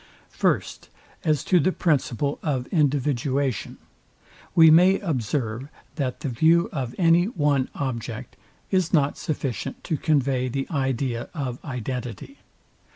First, As to the principle of individuation; we may observe, that the view of any one object is not sufficient to convey the idea of identity.